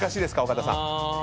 岡田さん。